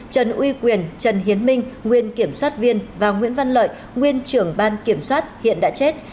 trần uy quyền trần hiến minh nguyên kiểm soát viên và nguyễn văn lợi nguyên trưởng ban kiểm soát hiện đã chết